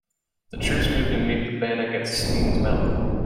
The troops moved to meet the Bannock at Steens Mountain.